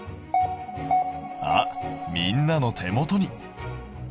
あっみんなの手元に。